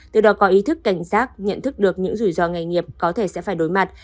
từ đó có ý thức cảnh giác nhận thức được những rủi ro nghề nghiệp có thể sẽ phải đối mặt